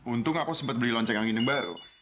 untung aku sempat beli lonceng angin yang baru